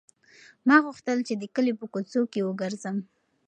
ما غوښتل چې د کلي په کوڅو کې وګرځم.